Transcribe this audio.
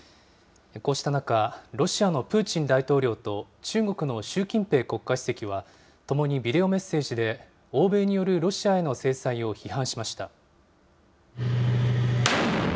こうした中、ロシアのプーチン大統領と中国の習近平国家主席は、ともにビデオメッセージで、欧米によるロシアへの制裁を批判しました。